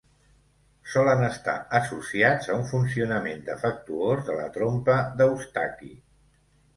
Solen estar associats a un funcionament defectuós de la trompa d'Eustaqui.